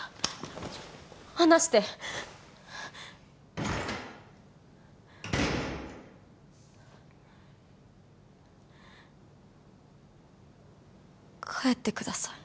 離して帰ってください